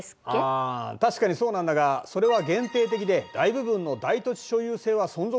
あ確かにそうなんだがそれは限定的で大部分の大土地所有制は存続したんだ。